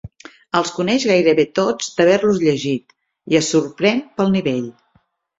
Els coneix gairebé tots d'haver-los llegit i es sorprèn pel nivell.